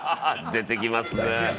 出てきますね」